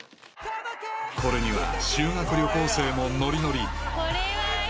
［これには修学旅行生もノリノリ］